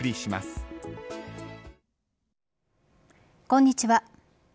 こんにちは。